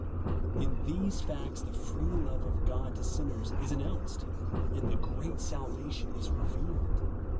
In these facts the free love of God to sinners is announced ; and the great salvation is revealed.